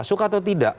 suka atau tidak